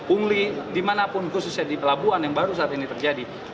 pungli dimanapun khususnya di pelabuhan yang baru saat ini terjadi